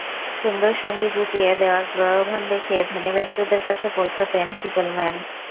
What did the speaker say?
সুন্দর সঙ্গী জুটিয়ে দেওয়ার প্রলোভন দেখিয়ে ধনী ব্যক্তিদের কাছে পৌঁছতেন টিকেলম্যান।